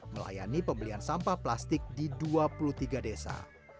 melayani pembelian sampah plastik di dua puluh tiga desa